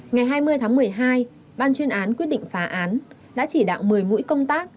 ngày hai mươi tháng một mươi hai ban chuyên án quyết định phá án đã chỉ đạo một mươi mũi công tác